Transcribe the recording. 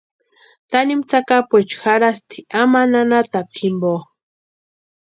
Tanimu tsakapuecha jarhasti amani anhatapu jimpo.